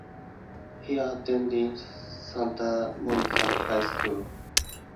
He attended Santa Monica High School.